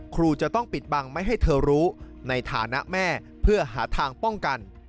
ครูจะต้องปิดบังไม่ให้เธอรู้ในฐานะแม่เพื่อหาทางป้องกัน